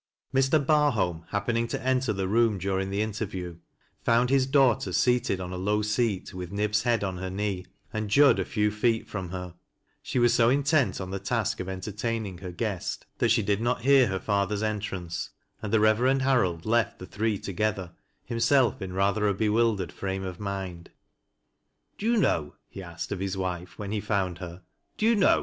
Mr. Barholm happening to enter the room during tlip interview, found his daughter seated on a low seat witl Nib's head on her knee, and Jud a few feet from her She was so intent on the task of entertaining her guest thai she did not hear her father's entrance, and the Eevercnd Harold left the three together, himself iu ather a be wildered frame of mind. NIB A2fD HIS MASTER MAKE A GALL. 89 " Do you know?